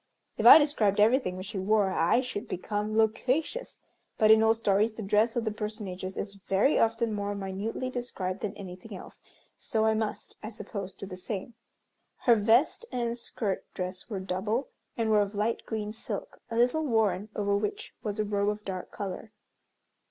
If I described everything which she wore I should become loquacious, but in old stories the dress of the personages is very often more minutely described than anything else; so I must, I suppose, do the same. Her vest and skirt dress were double, and were of light green silk, a little worn, over which was a robe of dark color.